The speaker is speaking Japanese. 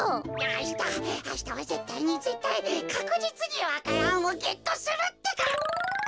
あしたはぜったいにぜったいかくじつにわからんをゲットするってか！